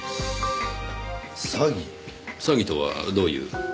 詐欺とはどういう？